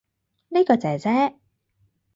呢個姐姐